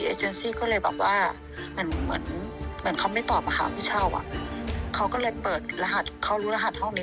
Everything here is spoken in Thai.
เจนซี่ก็เลยแบบว่าเหมือนเหมือนเขาไม่ตอบอะค่ะไม่เช่าอ่ะเขาก็เลยเปิดรหัสเขารู้รหัสห้องนี้